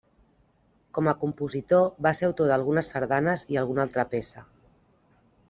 Com a compositor va ser autor d'algunes sardanes i alguna altra peça.